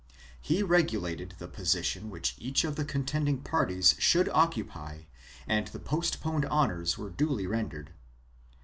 He regulated the position which each of the con tending parties should occupy and the postponed honors were duly rendered.